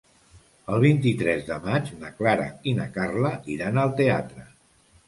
El vint-i-tres de maig na Clara i na Carla iran al teatre.